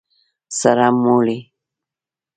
🫜 سره مولي